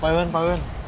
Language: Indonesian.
pak iwan pak iwan